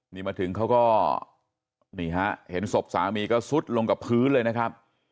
นี่มาถึงเขาก็นี่ฮะเห็นศพสามีก็ซุดลงกับพื้นเลยนะครับ